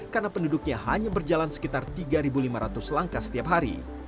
karena penduduknya hanya berjalan sekitar tiga lima ratus langkah setiap hari